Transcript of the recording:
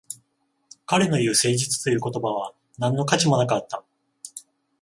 彼の言う誠実という言葉は何の価値もなかった